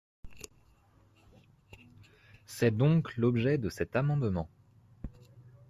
C’est donc l’objet de cet amendement.